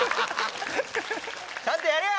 ちゃんとやれや！